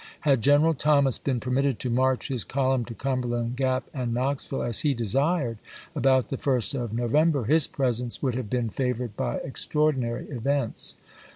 Had Greneral Thomas been permitted to march his column to Cumberland Gap and Knoxville, as he desired, 1861. about the first of November, his presence would have been favored by extraordinary events.